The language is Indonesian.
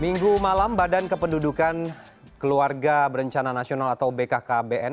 minggu malam badan kependudukan keluarga berencana nasional atau bkkbn